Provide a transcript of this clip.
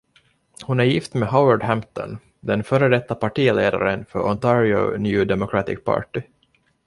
Hon är gift med Howard Hampton, den före detta partiledaren för Ontario New Democratic Party.